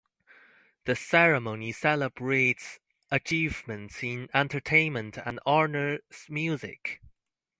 The ceremony celebrates achievements in entertainment and honors music.